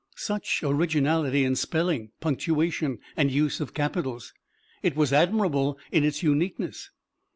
Such originality in spelling, punctuation and use of capitals! It was admirable in its uniqueness.